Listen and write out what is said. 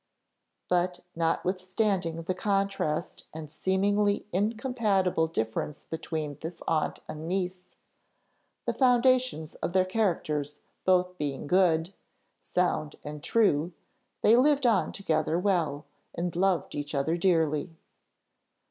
But, notwithstanding the contrast and seemingly incompatible difference between this aunt and niece, the foundations of their characters both being good, sound, and true, they lived on together well, and loved each other dearly.